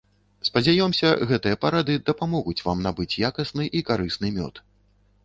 Спадзяёмся, гэтыя парады дапамогуць вам набыць якасны і карысны мёд.